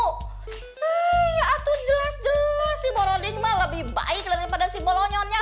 hei atuh jelas jelas si boroding mah lebih baik daripada si bolognionnya